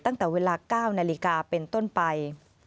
ตั้งแต่เวลา๙นาฬิกาเป็นต้นไป